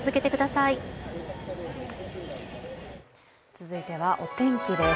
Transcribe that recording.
続いてはお天気です。